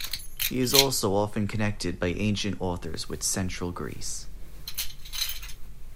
He is also often connected by ancient authors with central Greece.